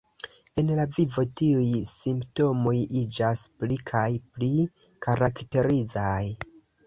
En la vivo tiuj simptomoj iĝas pli kaj pli karakterizaj.